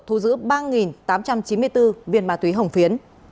thu giữ ba tám trăm chín mươi bốn viên ma túy hồng phiến